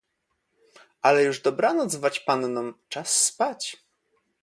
"Ale już dobranoc waćpannom, czas spać."